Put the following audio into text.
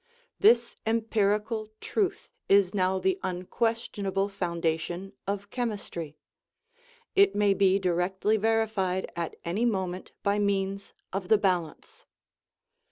This empirical truth is now the unquestionable foundation of chemistry; it may be directly verified at any moment by means of the bal ance.